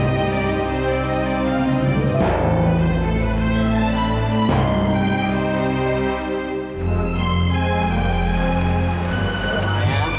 jadi kalau kalianyes